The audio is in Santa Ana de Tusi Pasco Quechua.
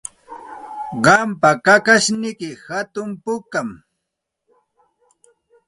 Qampa kakashniyki hatun pukami.